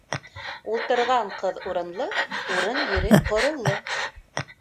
Ултырған ҡыҙ урынлы, урын-ере ҡороулы.